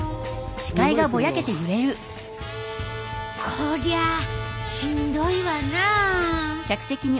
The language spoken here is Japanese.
こりゃしんどいわなぁ。